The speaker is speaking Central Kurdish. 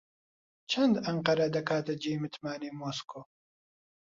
چەند ئەنقەرە دەکاتە جێی متمانەی مۆسکۆ؟